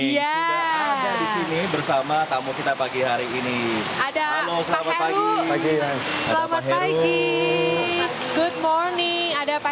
ya di sini bersama tamu kita pagi hari ini ada selamat pagi selamat pagi good morning ada pak